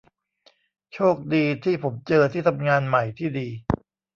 โชคดีที่ผมเจอที่ทำงานใหม่ที่ดี